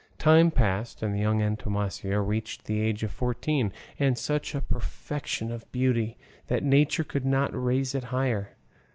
Time passed, and the young Antonomasia reached the age of fourteen, and such a perfection of beauty, that nature could not raise it higher.